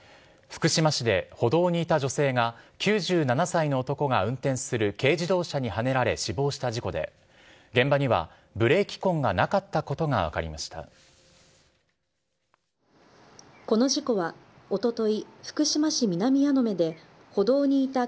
福島市で歩道にいた女性が、９７歳の男が運転する軽自動車にはねられ死亡した事故で、現場にはブレーキ痕がなかったことが分かりました。